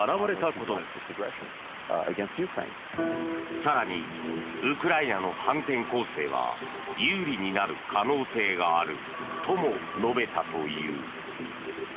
更に、ウクライナの反転攻勢は有利になる可能性があるとも述べたという。